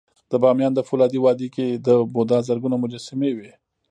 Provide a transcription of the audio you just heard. د بامیانو د فولادي وادي کې د بودا زرګونه مجسمې وې